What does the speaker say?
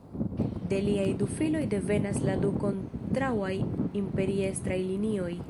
De liaj du filoj devenas la du kontraŭaj imperiestraj linioj.